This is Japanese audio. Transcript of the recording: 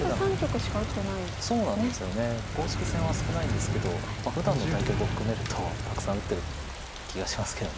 公式戦は少ないんですけどふだんの対局を含めるとたくさん打ってる気がしますけど。